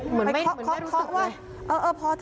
เหมือนไม่รู้สึกเลย